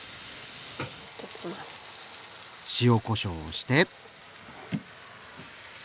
塩・こしょうをして。